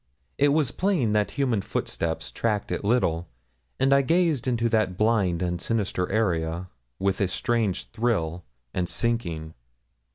It was plain that human footsteps tracked it little, and I gazed into that blind and sinister area with a strange thrill and sinking.